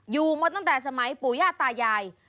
อยู่มาตั้งแต่สมัยปู่ย่าตายาย